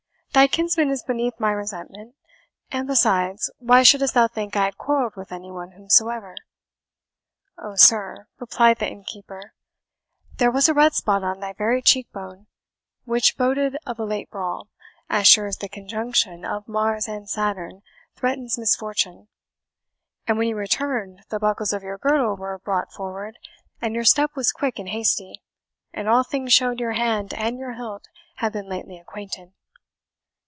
"Thy kinsman is beneath my resentment; and besides, why shouldst thou think I had quarrelled with any one whomsoever?" "Oh, sir," replied the innkeeper, "there was a red spot on thy very cheek bone, which boded of a late brawl, as sure as the conjunction of Mars and Saturn threatens misfortune; and when you returned, the buckles of your girdle were brought forward, and your step was quick and hasty, and all things showed your hand and your hilt had been lately acquainted."